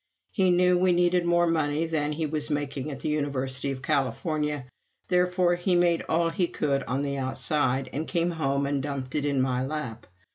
He knew we needed more money than he was making at the University of California, therefore he made all he could on the outside, and came home and dumped it in my lap.